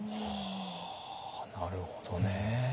なるほどね。